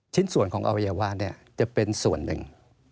ชิ้นส่วนของอวัยวะจะเป็นส่วนหนึ่ง